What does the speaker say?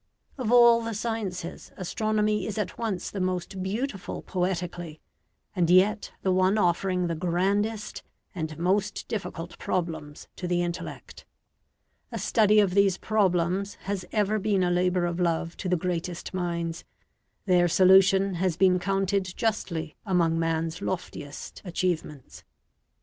Of all the sciences, astronomy is at once the most beautiful poetically, and yet the one offering the grandest and most difficult problems to the intellect. A study of these problems has ever been a labor of love to the greatest minds; their solution has been counted justly among man's loftiest achievements.